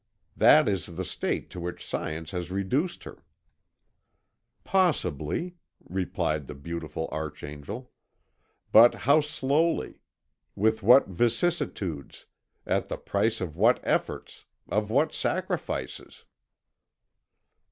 That is the state to which Science has reduced her." "Possibly," replied the beautiful archangel, "but how slowly, with what vicissitudes, at the price of what efforts, of what sacrifices!"